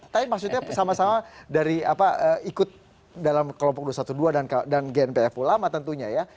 tapi maksudnya sama sama dari apa ikut dalam kelompok dua ratus dua belas dan gnpf ulama tentunya ya